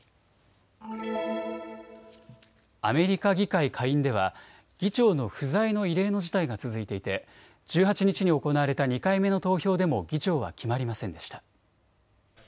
アメリカ議会下院では議長の不在の異例の事態が続いていて１８日に行われた２回目の投票でも議長は決まりませんでした。